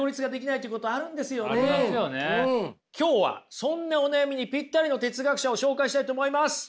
今日はそんなお悩みにぴったりの哲学者を紹介したいと思います。